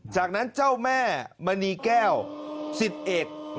จากนั้นเจ้าแม่มณีแก้วสิทธิเอก